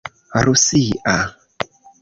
rusia